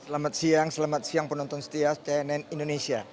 selamat siang selamat siang penonton setia cnn indonesia